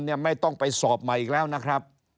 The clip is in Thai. เนี่ยไม่ต้องไปสอบใหม่อีกแล้วนะครับ